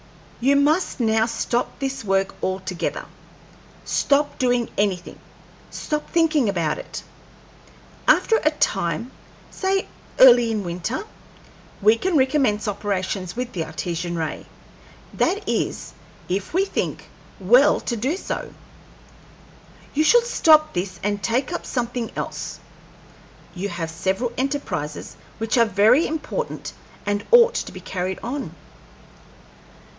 You must now stop this work altogether. Stop doing anything; stop thinking about it. After a time say early in winter we can recommence operations with the Artesian ray; that is, if we think well to do so. You should stop this and take up something else. You have several enterprises which are very important and ought to be carried on.